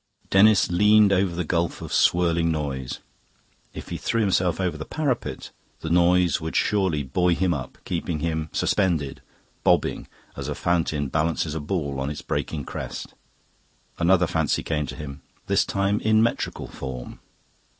Denis leaned over the gulf of swirling noise. If he threw himself over the parapet, the noise would surely buoy him up, keep him suspended, bobbing, as a fountain balances a ball on its breaking crest. Another fancy came to him, this time in metrical form.